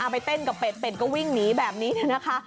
ไปเต้นกับเป็ดเป็ดก็วิ่งหนีแบบนี้นะคะ